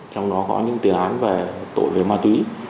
trong đó có những tiền án về tội về ma túy